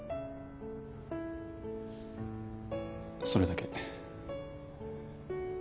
それだけ。